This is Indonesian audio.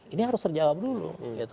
ini harus terjawab dulu